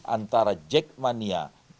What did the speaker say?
antara jack mania